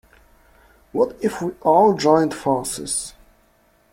What if we all joined forces?